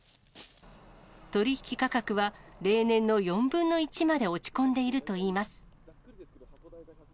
取り引き価格は、例年の４分の１まで落ち込んでいるといいます。